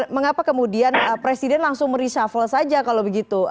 mengapa kemudian presiden langsung mereshuffle saja kalau begitu